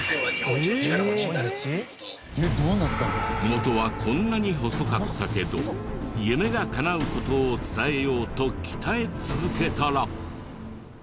元はこんなに細かったけど夢がかなう事を伝えようと鍛え続けたら。